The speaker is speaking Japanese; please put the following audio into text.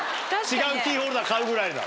違うキーホルダー買うぐらいなら。